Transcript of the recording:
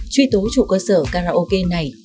truy tố chủ cơ sở karaoke này